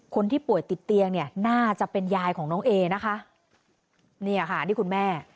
คนที่ป่วยติดเตียงเนี่ยน่าจะเป็นยายของน้องเอนะคะเนี่ยค่ะนี่คุณแม่